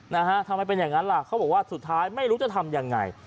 นะฮะทำไมเป็นอย่างนั้นล่ะเขาบอกว่าสุดท้ายไม่รู้จะทำยังไง